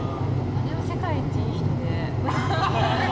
姉は世界一いい人で。